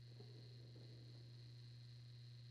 Zde se věnoval herectví.